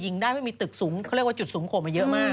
ยิงเลยไปให้มีตึกสูงเขาเรียกว่าใหญ่เยอะมาก